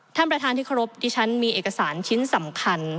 ท่านประธานที่เคารพดิฉันมีเอกสารชิ้นสำคัญ